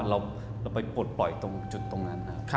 เราไปปลดปล่อยตรงจุดตรงนั้น